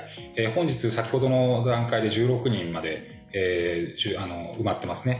本日、先ほどの段階で１６人まで埋まってますね。